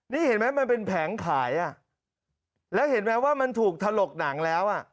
นี่เห็นไหมมันเป็นแผงขายอ่ะแล้วเห็นไหมว่ามันถูกถลกหนังแล้วอ่ะ